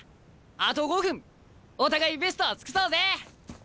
あと５分お互いベストを尽くそうぜ！